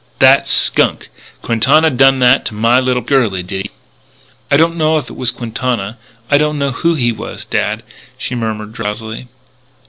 that skunk! Quintana done that to my little girlie, did he?" "I don't know if it was Quintana. I don't know who he was, dad," she murmured drowsily.